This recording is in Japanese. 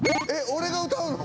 俺が歌うの？